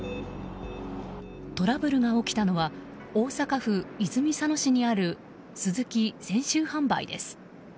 トラブルが起きたのは大阪府泉佐野市にあるスズキ泉州販売です。